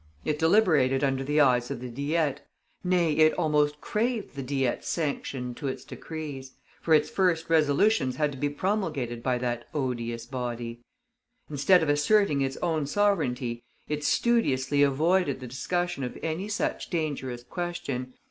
It deliberated under the eyes of the Diet, nay, it almost craved the Diet's sanction to its decrees, for its first resolutions had to be promulgated by that odious body. Instead of asserting its own sovereignty, it studiously avoided the discussion of any such dangerous question.